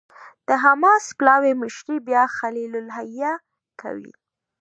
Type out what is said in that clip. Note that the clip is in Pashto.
د حماس پلاوي مشري بیا خلیل الحية کوي.